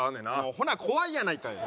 ほな怖いやないかい！